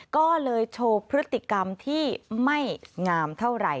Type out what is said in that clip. ก็เลยโชว์พฤติกรรมที่ไม่งามเท่าไหร่